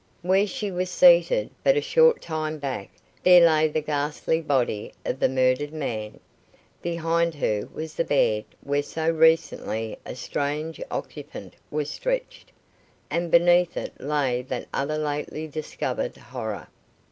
Where she was seated, but a short time back, there lay the ghastly body of the murdered man. Behind her was the bed where so recently a strange occupant was stretched, and beneath it lay that other lately discovered horror.